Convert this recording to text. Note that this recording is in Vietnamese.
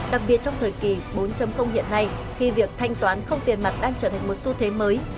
đặc biệt trong thời kỳ bốn hiện nay khi việc thanh toán không tiền mặt đang trở thành một xu thế mới